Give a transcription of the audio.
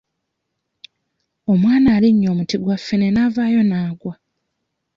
Omwana alinnye omuti gwa ffene n'avaayo n'agwa